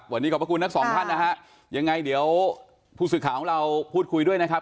วันนี้ขอบพระคุณทั้งสองท่านนะฮะยังไงเดี๋ยวผู้สื่อข่าวของเราพูดคุยด้วยนะครับ